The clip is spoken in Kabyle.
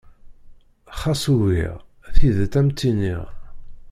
Xas ugiɣ, tidet ad m-tt-iniɣ.